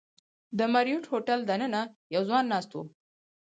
د مریوټ هوټل دننه یو ځوان ناست و.